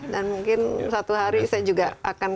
dan mungkin satu hari saya juga akan